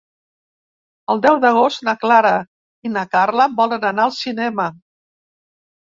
El deu d'agost na Clara i na Carla volen anar al cinema.